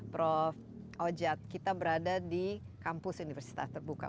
prof ojad kita berada di kampus universitas terbuka